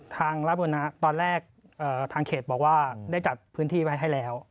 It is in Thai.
ทางรับบุรณะตอนแรกทางเขตบอกว่าได้จัดพื้นที่ไว้ให้แล้ว